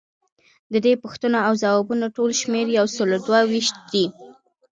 ددې پوښتنو او ځوابونو ټول شمیر یوسلو دوه ویشت دی.